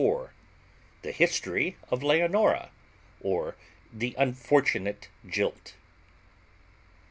_The history of Leonora, or the unfortunate jilt.